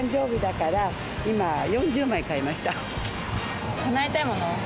かなえたいもの？